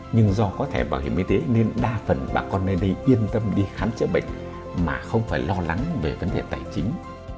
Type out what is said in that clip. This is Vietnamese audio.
nhưng do có thẻ bảo hiểm y tế nên đa phần bà con nơi đây yên tâm đi khám chữa bệnh mà không phải lo lắng về vấn đề tài chính